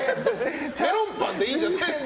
メロンパンでいいんじゃないですか。